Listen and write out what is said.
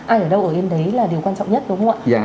anh ở đâu ở yên đấy là điều quan trọng nhất đúng không ạ